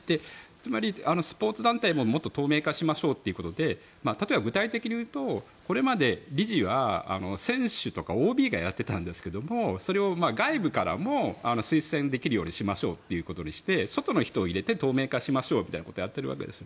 つまりスポーツ団体も、もっと透明化しましょうということで具体的に言うと、これまで理事は選手とかＯＢがやってたんですがそれを外部からも推薦できるようにしましょうということにして外の人を入れて透明化しましょうとやっているわけです。